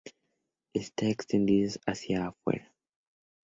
Está extendidos hacia afuera.